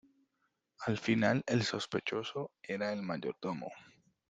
Al final el sospechoso, era el mayordomo.